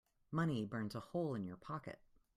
Money burns a hole in your pocket.